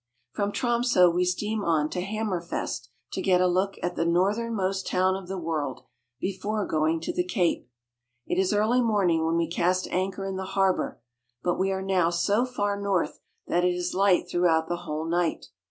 From Tromso we steam on to Hammerfest, to get a look at the northernmost town of the world before going to the Cape. It is early morning when we cast anchor in the harbor, but we are now so far north that it is light through out the whole night.